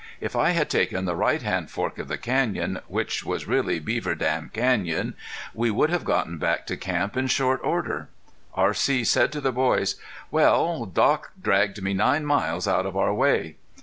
If I had taken the right hand fork of the canyon, which was really Beaver Dam Canyon, we would have gotten back to camp in short order. R.C. said to the boys: "Well, Doc dragged me nine miles out of our way."